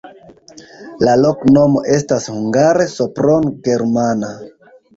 La loknomo estas hungare: Sopron-germana.